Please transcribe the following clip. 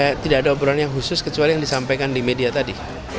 ya tidak ada obrolan yang khusus kecuali yang disampaikan di media tadi